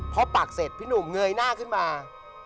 พอปักเสร็จพี่หนุ่มเงยหน้าขึ้นมา